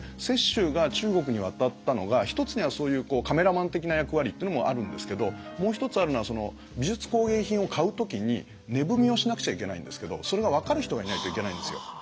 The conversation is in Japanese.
雪舟が中国に渡ったのが一つにはそういうカメラマン的な役割っていうのもあるんですけどもう一つあるのは美術工芸品を買う時に値踏みをしなくちゃいけないんですけどそれが分かる人がいないといけないんですよ。